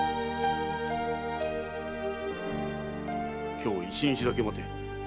今日一日だけ待て。